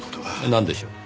なんでしょう？